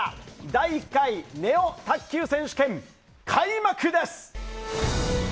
第１回ネオ卓球選手権開幕です！